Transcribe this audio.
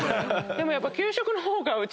でもやっぱ。